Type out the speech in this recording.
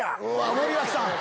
森脇さん！